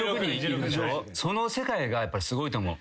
その世界がやっぱりすごいと思う。